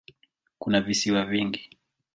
Kuna visiwa vingi.